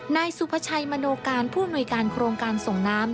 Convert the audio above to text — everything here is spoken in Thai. นายสุภาชัยมโนการผู้อำนวยการโครงการส่งน้ำ